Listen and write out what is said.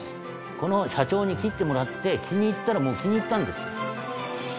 この社長に切ってもらって気に入ったらもう気に入ったんです。